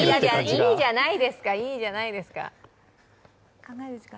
いいじゃないですか、いいじゃないですか。